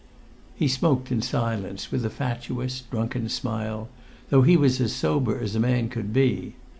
He smoked in silence with a fatuous, drunken smile, though he was as sober as a man could be.